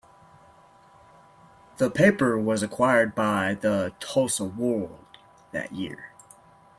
The paper was acquired by the "Tulsa World" that year.